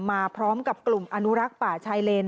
มาพร้อมกับกลุ่มอนุรักษ์ป่าชายเลน